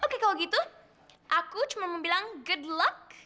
oke kalau gitu aku cuma mau bilang ged luck